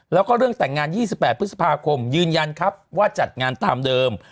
แล้วก็เรื่องแต่งงาน๒๘พฤษภาคมยืนยันครับว่าจัดงานตามเดิม